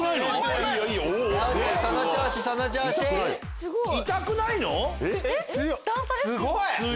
すごいな。